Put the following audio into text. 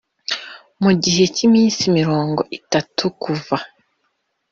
Mu gihe cy iminsi mirongo itatu kuva